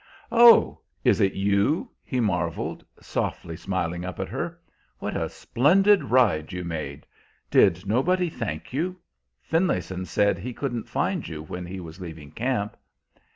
"Oh, is it you?" he marveled, softly smiling up at her. "What a splendid ride you made! Did nobody thank you? Finlayson said he couldn't find you when he was leaving camp."